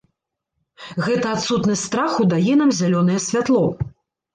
Гэта адсутнасць страху дае нам зялёнае святло.